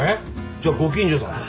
じゃご近所さんだ。